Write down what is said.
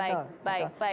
baik baik baik